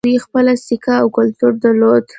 دوی خپله سکه او کلتور درلود